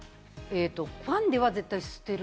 ファンデは絶対捨てる。